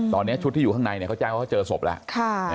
ตอนนี้ชุดที่อยู่ข้างในเขาแจ้งว่าเขาเจอศพแล้ว